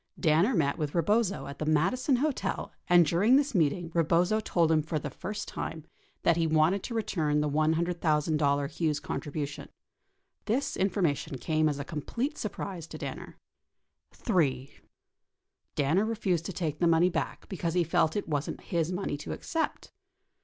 Danner met with Eebozo at the Madison Hotel and during this meeting Eebozo told him for the first time that he wanted to return the $100,000 Hughes contribution. This information came as a complete surprise to Danner. 3. Danner refused to take the money back because he felt it wasn't his money to accept.